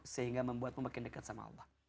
sehingga membuatmu makin dekat sama allah